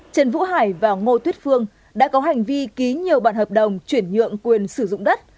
trần vũ hải và ngô tuyết phương đã có hành vi ký nhiều bản hợp đồng chuyển nhượng quyền sử dụng đất